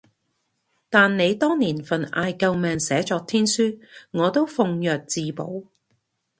但你當年份嗌救命寫作天書，我都奉若至寶